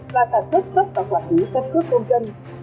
và sản xuất cấp và quản lý căn cước công dân